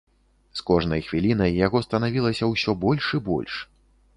З кожнай хвілінай яго станавілася ўсё больш і больш.